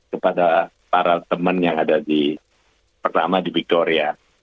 kepada para teman yang ada di pertama di victoria